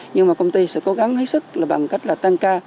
nhưng mà công ty sẽ cố gắng hết sức bằng cách tăng ca